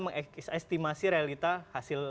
mengestimasi realita hasil